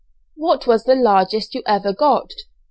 '" "What was the largest you ever got?"